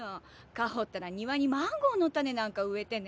香歩ったら庭にマンゴーの種なんか植えてね。